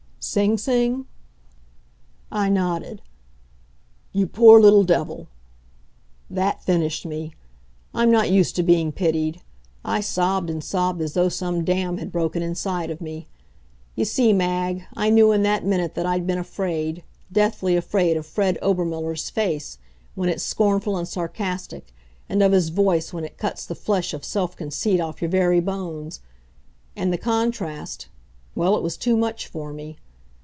"Sing Sing?" I nodded. "You poor little devil!" That finished me. I'm not used to being pitied. I sobbed and sobbed as though some dam had broken inside of me. You see, Mag, I knew in that minute that I'd been afraid, deathly afraid of Fred Obermuller's face, when it's scornful and sarcastic, and of his voice, when it cuts the flesh of self conceit off your very bones. And the contrast well, it was too much for me.